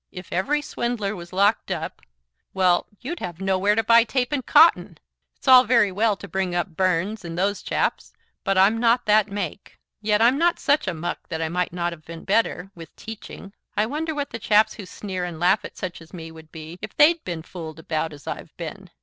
If every swindler was locked up well, you'd have nowhere to buy tape and cotton. It's all very well to bring up Burns and those chaps, but I'm not that make. Yet I'm not such muck that I might not have been better with teaching. I wonder what the chaps who sneer and laugh at such as me would be if they'd been fooled about as I've been.